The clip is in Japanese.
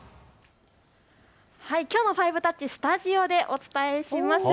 きょうの５タッチ、スタジオでお伝えします。